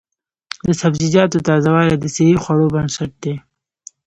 د سبزیجاتو تازه والي د صحي خوړو بنسټ دی.